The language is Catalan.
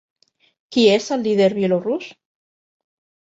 Qui és el líder bielorús?